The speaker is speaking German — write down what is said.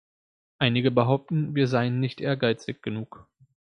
Einige behaupten, wir seien nicht ehrgeizig genug.